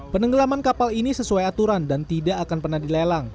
penenggelaman kapal ini sesuai aturan dan tidak akan pernah dilelang